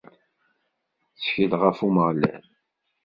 Ttkel ɣef Umeɣlal!